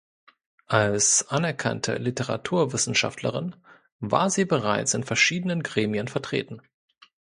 Als anerkannte Literaturwissenschaftlerin war sie bereits in verschiedenen Gremien vertreten.